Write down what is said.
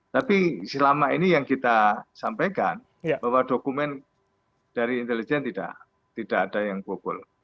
tapi selama ini yang kita sampaikan bahwa dokumen dari intelijen tidak ada yang bobol